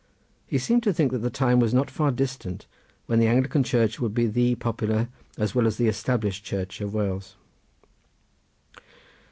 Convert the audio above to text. He seemed to think that the time was not far distant when the Anglican Church would be the popular as well as the established church of Wales.